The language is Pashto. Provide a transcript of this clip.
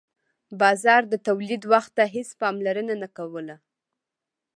بازار د تولید وخت ته هیڅ پاملرنه نه کوله.